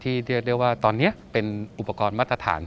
เรียกได้ว่าตอนนี้เป็นอุปกรณ์มาตรฐาน